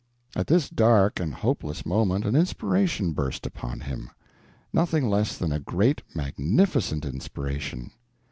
At this dark and hopeless moment an inspiration burst upon him. Nothing less than a great, magnificent inspiration.